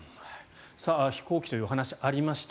飛行機という話がありました。